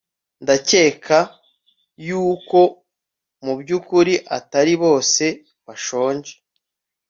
Ndakeka yuko mubyukuri atari bose bashonje